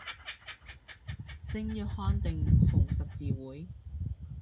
聖約翰定紅十字會